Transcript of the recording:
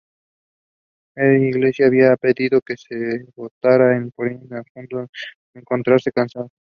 Si bien Yglesias había pedido que se votara por Echandi pues adujo encontrarse cansado.